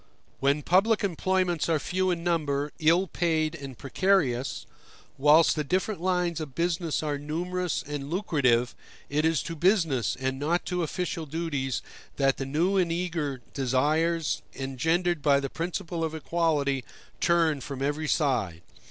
When public employments are few in number, ill paid and precarious, whilst the different lines of business are numerous and lucrative, it is to business, and not to official duties, that the new and eager desires engendered by the principle of equality turn from every side.